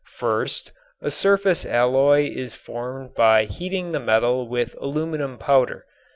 First a surface alloy is formed by heating the metal with aluminum powder.